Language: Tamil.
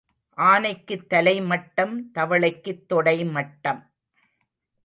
ஆனைக்குத் தலை மட்டம் தவளைக்குத் தொடை மட்டம்.